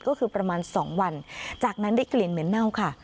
ก็คือประมาณ๒วันจากนั้นได้กลิ่นเหม็นเน่าค่ะ